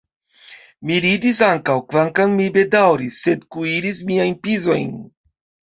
Mi ridis ankaŭ, kvankam mi bedaŭris, sed kuiris miajn pizojn.